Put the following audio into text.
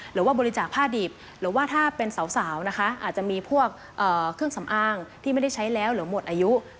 หรือว่าบริจาคผ้าดิบหรือว่าถ้าเป็นสาวนะคะอาจจะมีพวกเครื่องสำอางที่ไม่ได้ใช้แล้วหรือหมดอายุ